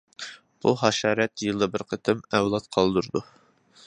بۇ ھاشارات يىلدا بىر قېتىم ئەۋلاد قالدۇرىدۇ.